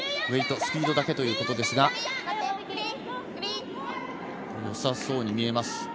ウエイト、スピードだけということですが、良さそうに見えます。